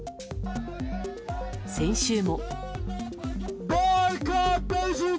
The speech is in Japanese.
先週も。